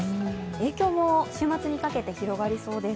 影響も週末にかけて広がりそうです。